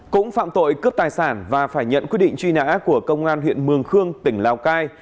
cũng phạm tội cướp tài sản và phải nhận quyết định truy nã của công an huyện mường khương tỉnh lào cai